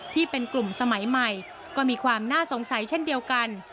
ที่เป็นกลุ่มสมัยใหม่ก็มีความน่าสงสัยเช่นเดียวกัน